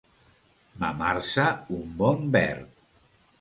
Mamar-se un bon verd.